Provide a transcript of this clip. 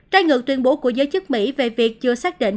trái ngược tuyên bố của giới chức mỹ về việc chưa xác định